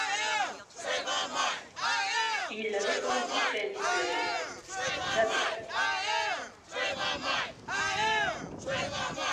Il répondit paisiblement: — Jamais!...